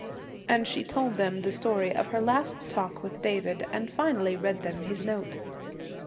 And she told them the story of her last talk with David, and finally read them his note.